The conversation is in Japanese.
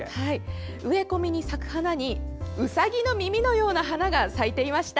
植え込みに咲く花にうさぎの耳のような花が咲いていました。